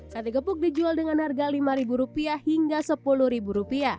sate gepuk dijual dengan harga rp lima hingga rp sepuluh